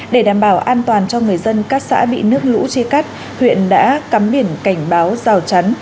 để đảm bảo an toàn cho người dân các xã bị nước lũ chia cắt huyện đã cắm biển cảnh báo rào chắn